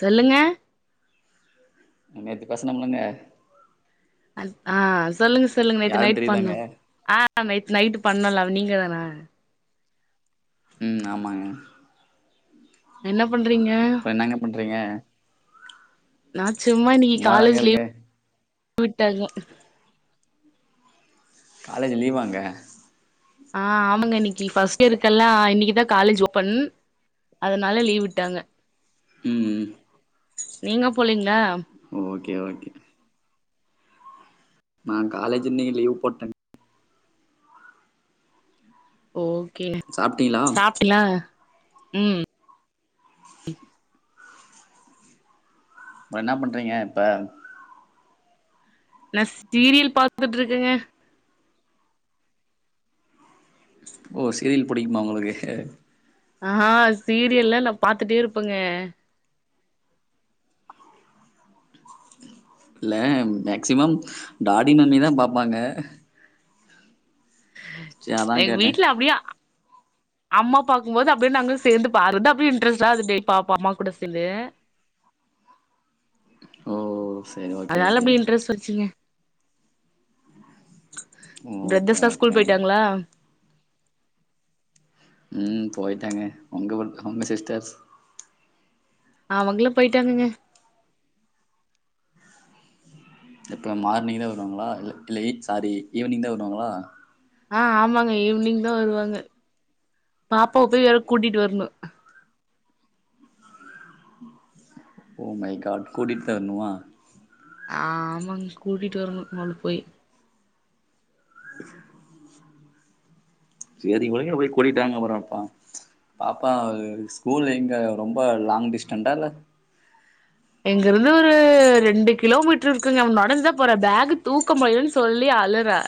சொல்லுங்க நேத்து பேசணோம்லங்க ஆ சொல்லுங்க சொல்லுங்க நேத்து நைட் தெரியுதாங்க பண்ணோ ஆ அ நேத் நைட்டு பண்ணோல அது நீங்க தானா ம் ஆமாங்க என்ன பண்றீங்க இப்ப என்னங்க பண்றீங்க நா சும்மா இன்னிகு சும்மாதாங்க காலேஜு லீவ் இருக்கே விட்டங்க காலேஜு லீவாங்க ஆ ஆமங்க இன்னிக்கி ஃபஸ்ட்டியர்கல்லா இன்னிக்குதா காலேஜு ஓப்பன் அதனால லீவ் விட்டாங்க ம் ம் நீங்க போலீங்ளா ஓகே ஓகே நா காலேஜு இன்னிக்கு லீவ் போட்டேன் ஓக்கே சாப்ட்டீங்களா சாப்டிலா ம் அப்றோ என்ன பண்றீங்க இப்ப நா சீரியல் பாத்துட்ருக்கேங்க ஓ சீரியல் புடிக்குமா உங்குளுகு ஆ சீரியல்லா நா பாத்துட்டே இருப்பங்க இல்ல மேக்சிமம் டாடி மம்மிதா பாப்பாங்க எங்க வீட்ல அப்டியா ஆ அம்மா பாக்கும்போது அப்டியே நாங்ளு சேந்து பாறது அப்டியே இன்ட்ரஸ்டா அது டே பாப்போ அம்மா கூட சேந்து [inaudible] ஓ சரி ஓகே அதுனால ஓகே அப்டியே இன்ட்ரெஸ் வன்சிங்க ஓகே ப்ரதர்ஸ்லா ஸ்கூல் ஓகேங்க போய்டாங்ளா ம் போய்டாங்க உங்க உங்க சிஸ்டர்ஸ் அவுங்ளு போய்டாங்கங்க இப்ப மார்னிங்தா வருவாங்ளா இல் இல்ல இ சாரி ஈவினிங்தா வருவாங்ளா ஆ ஆமாங்க ஈவினிங்தா வருவாங்க பாப்பாவ போய் வேற கூட்டிட்டு வரணு ஓ மை காட் கூட்டிட்தா வர்ணுமா ஆமாங் கூடிட் வர்னு அவ்ள போய் சேரி உளங்கள போய் கூடிட்டாங்க அப்பறோ பா பாப்பா ஸ்கூல் எங்க ரொம்ப லாங் டிஸ்டன்டா இல்ல இங்கருந்து ஒரு ரெண்டு கிலோமீட்ரு இருக்குங்க நடந்தா போற பேக் தூக்க முள்ளன் சொல்லி அழுரா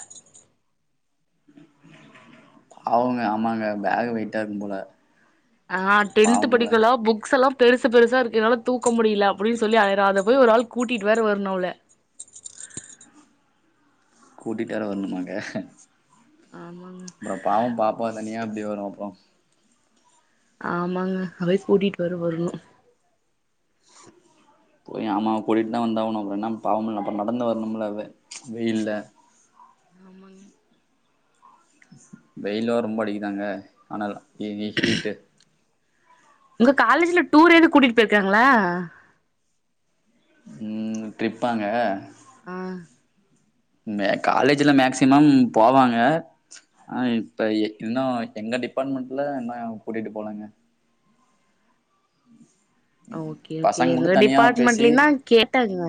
பாவோங்க ஆமாங்க பேக் வெயிட்டா இருக்கு போல ஆ டென்த் பாவம்ல படிகலா புக்ஸல்லா பெருசு பெருசா இருக்கு என்னால தூக்க முடியல அப்டின் சொல்லி அழரா அத போய் ஒரு ஆள் கூட்டிட்டு வேற வரணு அவள கூட்டிட் வேர வர்ணுமாங்க ஆமாங்க அப்றோ பாவோ பாப்பா தனியா எப்டி வரு அப்ரோ ஆமாங்க நா போய் கூட்டிட் வர வர்ணு போய் ஆமா கூட்டிட்தா வந்தாவணு அப்றோ என்ன பாவோமுல அப்றோ நடந்து வர்ணும்ல அவ வெயில்ல ஆமாங்க வெயில் வேற ரொம்ப அடிக்குதாங்க ஆனாலும் ஹீட்டு உங்க காலேஜ்ல டூர் ஏதும் கூட்டிட்டு போயிருக்காங்களா உம் டிரிப்பாங்க ஆஹ்ஹ் மே காலேஜ்ல மேக்சிமம் போவாங்க ஆஹ் இப்ப இன்னும் எங்க டிபார்ட்மெண்ட்ல என்ன கூட்டிட்டு போலங்க உஹம் ஓகே ஓகே எங்க பேசி டிபார்ட்மென்ட்லயும் தான் கேட்டாங்க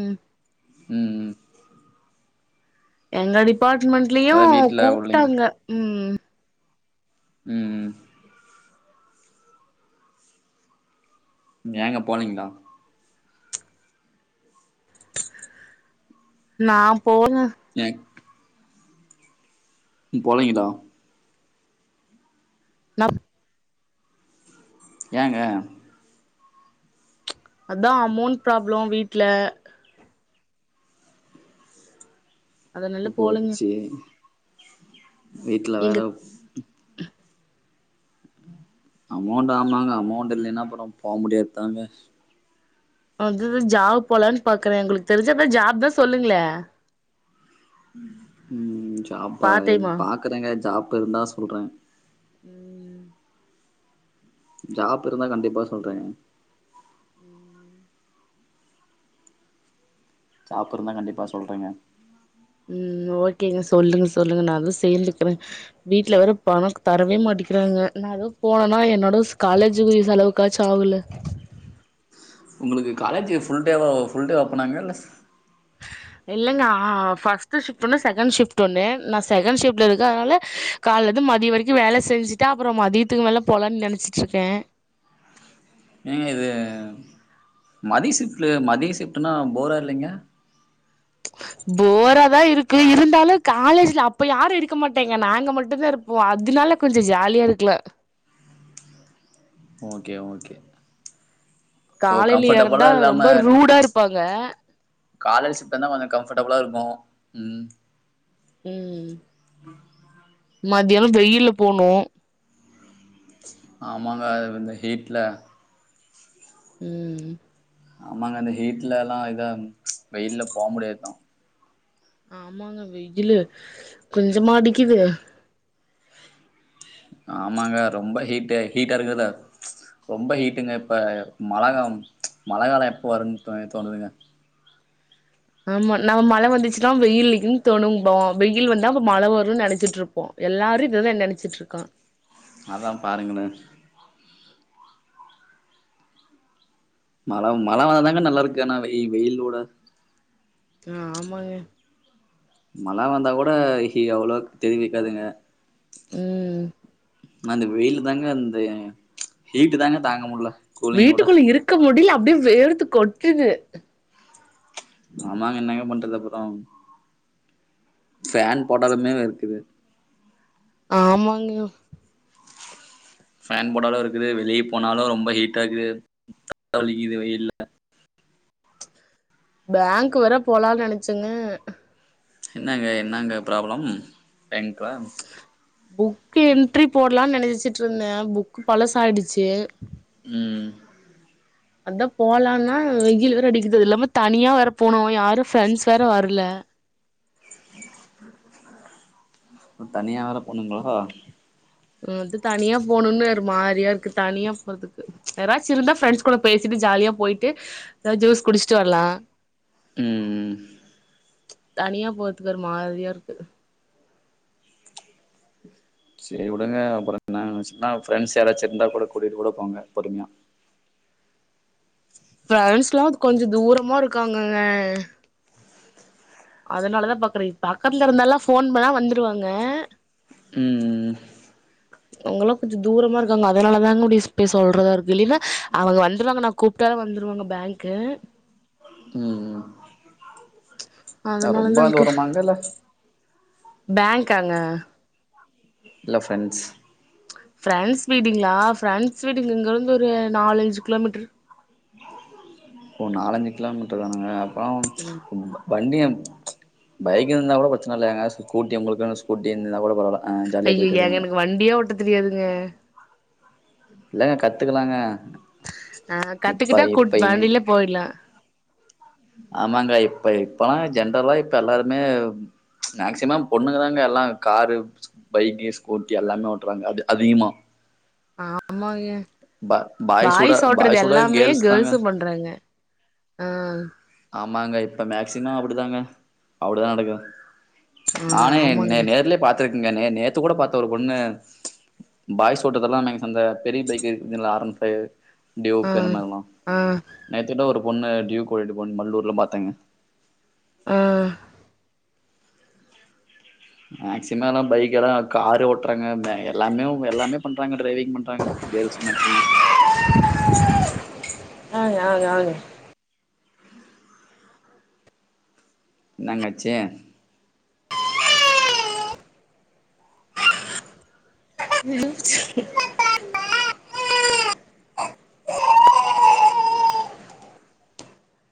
உம் உம்ம்ம் எங்க அதா டிபார்ட்மண்ட்லயும் வீட்ல உள்ளிங்க கூப்பிட்டாங்க உம் உம்ம் ஏங்க போலீங்களா நான் போல நீங் போனிங்களா நம் [inaudible] ஏங்க [unintelligible] அதான் அமௌன்ட் ப்ராப்ளம் வீட்ல உ அதனால போலங்க போச்சே வீட்ல வேற எங்க [unintelligible] அமௌண்ட் ஆமாங்க அமௌண்ட் இல்லன்னா அப்புறம் போக முடியாது தாங்க வந்தது ஜாப் போலனு பாக்குறேன் உங்களுக்கு தெரிஞ்சா எதான் ஜாப் தான் சொல்லுங்களேன் உம் ஜாப்பா பார்ட் டைமா பாக்குறேங்க ஜாப் இருந்தா சொல்றேன் உம்ம்மா ஜாப் இருந்தா கண்டிப்பா சொல்றேங்க [inaudible] ஜாப் இருந்தா கண்டிப்பா சொல்றேங்க உம் ஓகேங்க சொல்லுங்க சொல்லுங்க நான் அதான் சேர்ந்துக்கிறேன் வீட்ல வேற பணம் தரவே மாட்டேன் மாட்டேன்கிறாங்க நான் ஏதோ போனேனா என்னோட ஸ் காலேஜ் குரிய செலவுக்காச்சும் ஆகுல உங்களுக்கு காலேஜ் ஃபுல்டே வா புல்டே ஓப்பனாங்க இல்ல இல்லைங்க அ ஃபஸ்ட்டு ஷிஃப்ட் ஒன்னு செகண்ட் ஷிஃப்ட் ஒண்ணு நான் செகண்ட் ஷிஃப்டில் இருக்கன் அதனால காலயிலருந்து மதியம் வரைக்கும் வேலை செஞ்சுட்டு அப்புறம் மதியத்துக்கு மேல போலான்னு நினைச்சிட்டு இருக்கேன் ஆ [inaudible] ஏங்க இது மதிய சிஃப்ட் மதிய சிஃப்ட்ன்னா போரா இல்லைங்க [inaudible] போரா தான் இருக்கு இருந்தாலும் காலேஜ்ல அப்ப யாரும் இருக்க மாட்டேங்க நாங்க மட்டும்தான் இருப்போம் அது இதனால கொஞ்சம் ஜாலியா இருக்குல ப்ச் ஓகே ஓகே ஓ காலையில இருந்தா கம்ஃபர்டபளா இல்லாம ரொம்ப ரூடா இருப்பாங்க காலயில சிஃப்ட் தான் கொஞ்சம் கம்பஃர்ட் பளா இருக்கும் உம் உம் மத்தியானம் வெயில்ல போனும் ஆமாங்க அது இந்த ஹீட்ல உம்ம் ஆமாங்க அந்த ஹீட்ல எல்லாம் இதா ப்ச் வெயில்ல போக முடியாதுதா ஆமாங்க வெயிலு கொஞ்சமா அடிக்குது ஆமாங்க ரொம்ப ஹீட் ஹீட்டா இருக்குறத ரொம்ப ஹீட்டுங்க இப்ப மழகாலம் மழைகாலம் எப்ப வரும்ன்னு தோணுதுங்க ஆமா நம்ம மழை வந்துச்சுன்னா வெயில்லயும் தோணும்போம் வெயில் வந்தா அப்ப மழை வரும்னு நினைச்சிட்டு இருப்போம் எல்லாரும் இததான் நினைச்சிட்டு இருக்கான் அதான் பாருங்களே மழவ மழ வந்தாதாங்க நல்லா இருக்கு ஆனா வெய் வெயிலோட அ ஆமாங்க மழ வந்தா கூட எவ்ளோ தெரிவிக்காதுங்க ம் ஆனா இந்த வெயிலு தாங்க அந்த ஹீட்டு் தாங்க தாங்க முட்ல வீட்டுக்குள்ள இருக்க முடில அப்டியே வேர்த்து கொட்டுது ஆமாங்க என்னங்க பண்றது அப்றோ ஃபேன் போட்டாலுமே வேர்க்குது ஆமாங்ன்னா ஃபேன் போட்டாலு இருக்குது வெளியே போனாலு ரொம்ப ஹீட்டா இக்குது தல வலிக்குது வெயில்ல பேங்க் வேற போலான்னு நெனச்சேங்க என்னங்க என்னங்க ப்ராப்ளம் பேங்க்ல புக்கு என்ட்ரி போடலானு நெனச்சச்சிட்டு இருந்த புக்கு பழசாயிடுச்சு ம் அதா போலான்னா வெயில் வேற அடிக்குது அது இல்லாம தனியா வேற போனு யாரு ஃப்ரெண்ட்ஸ் வேற வர்ல அ தனியா வேற போணுங்ளா வந்து தனியா போணுன்னு ஒரு மாரியா இருக்கு தனியா போறதுக்கு யாராச்சு இருந்தா ஃப்ரெண்ட்ஸ் கூட பேசிட்டு ஜாலியா போயிட்டு எதா ஜூஸ் குடிச்சுட்டு வர்லா ம் தனியா போற்துக்கு ஒரு மாரியா இருக்கு செரி வுடுங்க அப்றோ [unintelligible] கலிச்சு ஃப்ரெண்ட்ஸ் யாராச்சு இருந்தா கூட கூட்டிட்டு கூட போங்க பொறுமையா [inaudible] ஃப்ரென்ஸ்ல்லா கொஞ்ச தூரமா இருக்காங்குங்க அதனாலதா பாக்குறே பக்கத்துல இருந்தால்லா ஃபோன் பண்ணா வந்துருவாங்க ம் ம் ம் அவங்கெல்லா கொஞ்ச தூரமா இருக்காங்க அதனால தாங்க [unintelligible] சொல்றதா இருக்கு இல்லின்னா அவங்க வந்துருவாங்க நா கூப்ட்டா வந்துருவாங்க பேங்க்கு ம் ம் அதனால ரொம்ப தா தூரமாங்க இல்ல பேங்க்காங்க இல்ல ஃப்ரெண்ட்ஸ் ஃப்ரெண்ஸ் வீடுங்ளா ஃப்ரெண்ஸ் வீடு இங்க இருந்து ஒரு நாலுஞ்சு கிலோ மீட்டரு ஓ நாலஞ்சு கிலோ மீட்டரு தானுங்க அப்பனா வண்டி பைக் இருந்தா கூட பிரச்சன இல்ல ஏங்க ஸ்கூட்டி உங்ளுக்குனு ஸ்கூட்டி இருந்தினா கூட பரவால்ல ஆ ஜாலியா போயிட்டு ஐய்யயே ஏங்க வருவீங்க எனக்கு வண்டியே ஓட்ட தெரியாதுங்க இல்லங்க கத்துக்கலாங்க அ இப்ப கத்துக்கிட்டா கூட் இப்ப வண்டிலே போட்டலா ஆமாங்க இப்ப இப்பலா ஜென்ரலா இப்ப எல்லாருமே மேக்சிமம் பொண்ணுங்கதாங்க எல்லா காரு பைக்கு ஸ்கூட்டி எல்லாமே ஓட்டுறாங்க அது அதிகமா ஆமாங்க பா பாய்ஸோட பாய்ஸ் ஓட்டுறது பாய்ஸோட எல்லாமே கேர்ள்ஸ் தாங்க கேர்ள்சு பண்றாங்க அ ஆமாங்க இப்ப மேக்சிம அப்டிதாங்க அப்டிதா நடக்குது ஆ நானே நே ஆமாங்க நேர்லயே பாத்துருக்கேங்க நே நேத்து கூட பாத்த ஒரு பொண்ணு பாய்ஸ ஓட்டுறதெல்லா [unintelligible] அந்த பெரிய பைக் இருக்குதுல ஆர் ஒன் ஃபைவ் ஆ டியூக் அந்த மாரில்லா ஆ நேத்துடுட ஒரு பொண்ணு டியூக் ஓட்டிட்டு போன மல்லூர்ல பாத்தேங்க அ மேக்சிமம் எல்லா பைக் எல்லா காரே ஓட்டுறாங்க எல் எல்லாமே அவங்க எல்லாமே பண்றாங்க டிரைவிங் பண்றாங்க கேர்ஸ் மேக்சிமம் [unintelligible] இன்னங்க ஆச்சு [inaudible] என்னாச்சி